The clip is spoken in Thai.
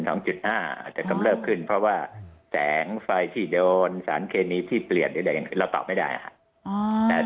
อาจจะกำเลิกขึ้นเพราะว่าแสงไฟที่โดนสารเคนีที่เปลี่ยนเราก็ตอบไม่ได้ค่ะ